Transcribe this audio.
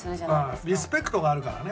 リスペクトがあるからね。